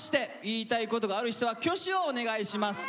言いたいことがある人は挙手をお願いします。